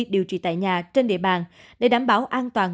điều trị tại nhà trên địa bàn để đảm bảo an toàn